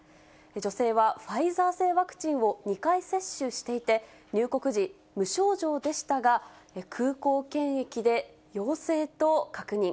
女性はファイザー製ワクチンを２回接種していて、入国時、無症状でしたが、空港検疫で陽性と確認。